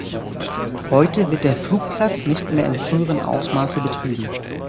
Heute wird der Flugplatz nicht mehr im früheren Ausmaße betrieben.